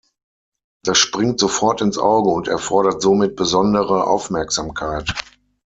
Das springt sofort ins Auge und erfordert somit besondere Aufmerksamkeit.